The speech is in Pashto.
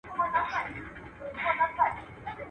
عبدالباري حهاني.